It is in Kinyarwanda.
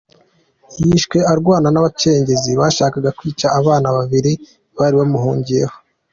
Yishwe arwana n’abacengezi bashakaga kwica abana babiri bari bamuhungiyeho.